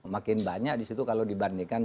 makin banyak di situ kalau dibandingkan